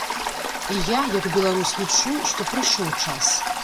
І я як беларус лічу, што прыйшоў час.